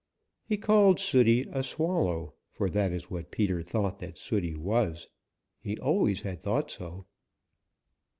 He called Sooty a Swallow, for that is what Peter thought that Sooty was. He always had thought so.